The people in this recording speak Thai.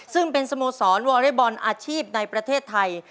ซึ่งเป็นสโมสรวอเล็กบอลอาชีพในประเทศไทย